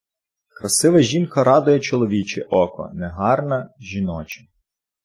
Красива жінка радує чоловіче око, негарна — жіноче.